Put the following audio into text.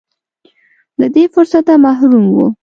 له دې فرصته محروم و.